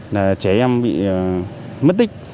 là trẻ em bị mất tích